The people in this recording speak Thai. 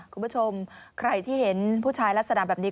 คุณผู้ชมใครที่เห็นผู้ชายลักษณะแบบนี้